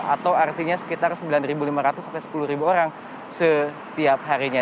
atau artinya sekitar sembilan lima ratus sampai sepuluh orang setiap harinya